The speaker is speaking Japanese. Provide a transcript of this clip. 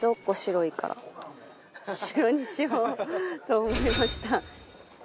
白にしようと思いました。